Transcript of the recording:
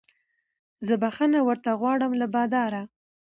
زه بخښنه ورته غواړم له باداره